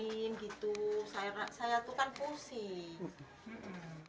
jadi ini suka turut jemuri uang